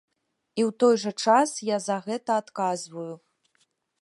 І ў той жа час я за гэта адказваю.